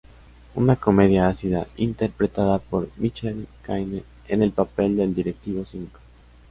Una comedia ácida, interpretada por Michael Caine en el papel del directivo cínico.